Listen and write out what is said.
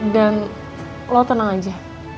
dan lo tenang aja